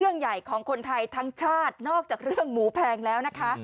เรื่องใหญ่ของคนไทยทั้งชาตินอกจากเรื่องหมูแพงแล้วนะคะ